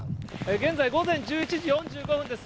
現在午前１１時４５分です。